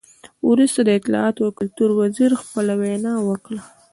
وروسته د اطلاعاتو او کلتور وزیر خپله وینا وکړه.